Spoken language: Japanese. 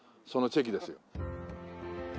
そのチェキです。